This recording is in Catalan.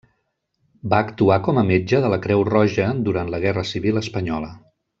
Va actuar com a metge de la Creu Roja durant la guerra civil espanyola.